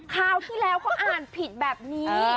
คราวที่แล้วเขาอ่านผิดแบบนี้